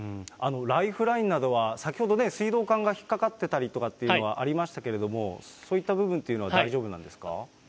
ライフラインなどは、先ほどね、水道管が引っかかってたりというのはありましたけれども、そういった部分というのは大丈夫なんですか。